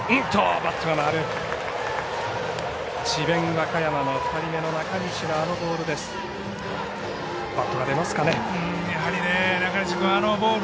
和歌山の２人目の中西のボール。